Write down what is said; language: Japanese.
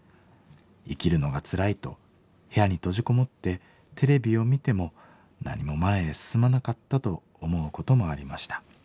生きるのがつらいと部屋に閉じこもってテレビを見ても何も前へ進まなかったと思うこともありました。